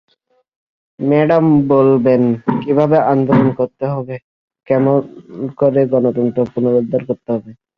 Madam বলবেন, কীভাবে আন্দোলন করতে হবে, কেমন করে গণতন্ত্র পুনরুদ্ধার করতে হবে।